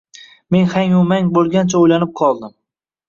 Men hangu mang bo‘lgancha o‘ylanib qoldim